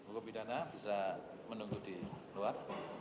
bukupidana bisa menunggu di luar